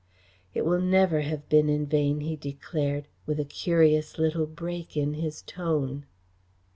"It will never have been in vain," he declared, with a curious little break in his tone.